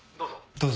どうぞ。